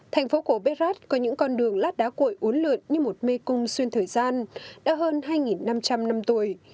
thành phố của berat có những con đường lát đá cội uốn lượn như một mê cung xuyên thời gian đã hơn hai năm trăm linh năm tuổi